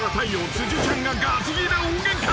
辻ちゃんががちギレ大ゲンカ。